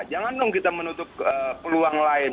jangan dong kita menutup peluang lain